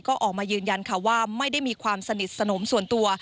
ก็ออกมายืนยันค่ะว่าไม่ได้มีความสนิทสนมส่วนตัว